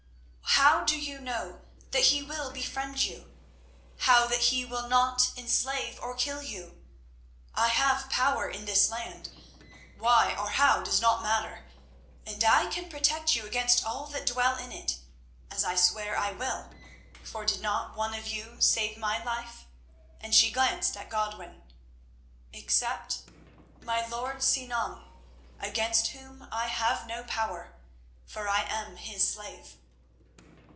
How do you know that he will befriend you—how that he will not enslave or kill you? I have power in this land, why or how does not matter, and I can protect you against all that dwell in it—as I swear I will, for did not one of you save my life?" and she glanced at Godwin, "except my lord Sinan, against whom I have no power, for I am his slave."